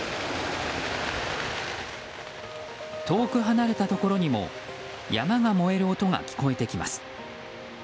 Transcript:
遠く離れたところにも山が燃える音が聞こえてきます。